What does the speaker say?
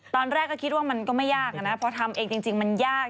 ตอนแรกก็คิดว่ามันก็ไม่ยากนะพอทำเองจริงมันยาก